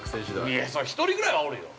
◆いや、１人ぐらいはおるよ。